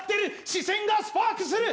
視線がスパークする